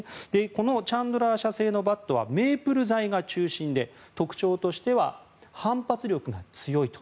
このチャンドラー社製のバットはメープル材が中心で特徴としては反発力が強いと。